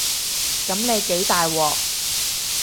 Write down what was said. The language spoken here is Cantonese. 噉你幾大鑊